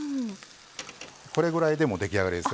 これぐらいで出来上がりです。